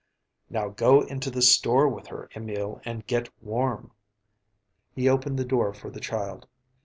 "Now go into the store with her, Emil, and get warm." He opened the door for the child.